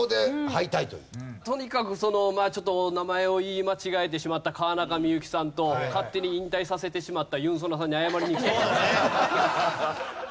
とにかくまあちょっとお名前を言い間違えてしまった川中美幸さんと勝手に引退させてしまったユンソナさんに謝りに行きたいと思います。